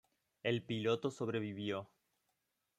El piloto sobrevivió.